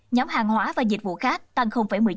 nhóm hàng hóa và dịch vụ khác tăng một mươi chín